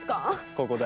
ここだ。